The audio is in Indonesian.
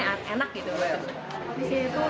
misalnya gorengan juga